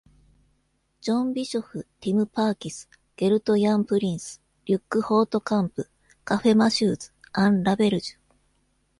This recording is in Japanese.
ジョン・ビショフ、ティム・パーキス、ゲルト・ヤン・プリンス、リュック・ホートカンプ、カフェ・マシューズ、アン・ラベルジュ。